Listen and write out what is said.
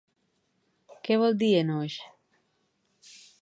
Què vol dir Enoix?